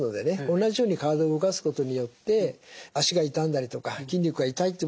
同じように体を動かすことによって足が痛んだりとか筋肉が痛いという場合にはですね